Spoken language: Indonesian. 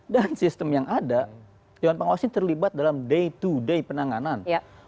dan sistem yang ada dewan pengawas ini terlibat dalam day to day penanganan